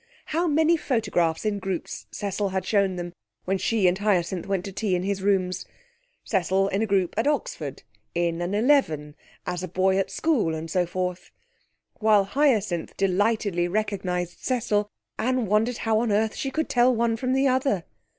How many photographs in groups Cecil had shown them, when she and Hyacinth went to tea at his rooms! Cecil in a group at Oxford, in an eleven, as a boy at school, and so forth! While Hyacinth delightedly recognised Cecil, Anne wondered how on earth she could tell one from the other.